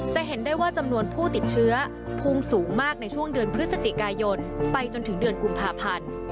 จะเห็นได้ว่าจำนวนผู้ติดเชื้อพุ่งสูงมากในช่วงเดือนพฤศจิกายนไปจนถึงเดือนกุมภาพันธ์